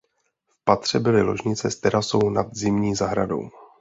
V patře byly ložnice s terasou nad zimní zahradou.